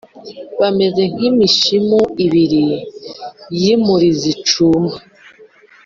Bameze nk’imishimu ibiri y’imuri zicumba